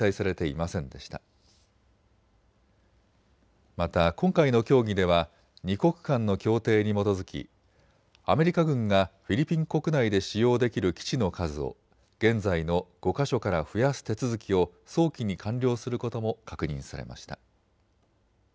また今回の協議では２国間の協定に基づきアメリカ軍がフィリピン国内で使用できる基地の数を現在の５か所から増やす手続きを早期に完了することも確認されました。